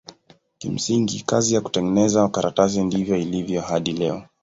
Kimsingi kazi ya kutengeneza karatasi ndivyo ilivyo hadi leo.